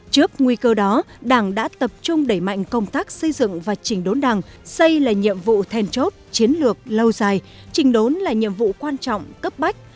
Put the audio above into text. trước nguy cơ đó đảng đã tập trung đẩy mạnh công tác xây dựng và chỉnh đốn đảng xây là nhiệm vụ thèn chốt chiến lược lâu dài trình đốn là nhiệm vụ quan trọng cấp bách